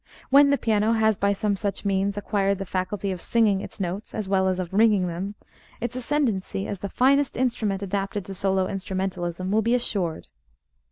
When the piano has by some such means acquired the faculty of singing its notes, as well as of ringing them, its ascendency, as the finest instrument adapted to solo instrumentalism, will be assured.